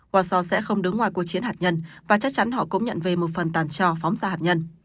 wazo sẽ không đứng ngoài cuộc chiến hạt nhân và chắc chắn họ cũng nhận về một phần tàn trò phóng gia hạt nhân